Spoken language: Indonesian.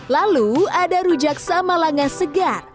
lalu ada rujak sama langa segar